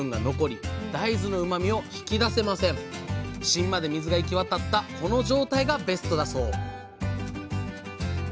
芯まで水が行き渡ったこの状態がベストだそう